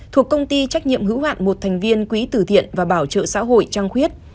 thuộc công ty trách nhiệm hữu hạn một thành viên quỹ tử thiện và bảo trợ xã hội trang khuyết